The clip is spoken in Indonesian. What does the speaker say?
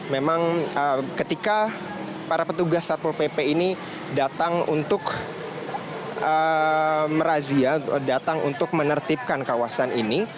memang ketika para petugas satpol pp ini datang untuk merazia datang untuk menertibkan kawasan ini